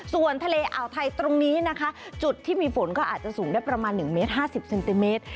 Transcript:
ส่วนทะเลอ่าวไทยตรงนี้นะคะจุดที่มีฝนก็อาจจะสูงได้ประมาณ๑เมตร๕๐เซนติเมตร